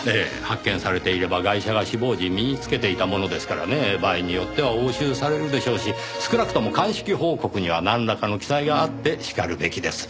発見されていればガイシャが死亡時身につけていたものですからね場合によっては押収されるでしょうし少なくとも鑑識報告にはなんらかの記載があってしかるべきです。